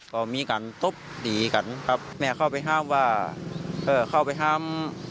ก็มีการตบตีกันครับแม่เข้าไปห้ามว่าเออเข้าไปห้าม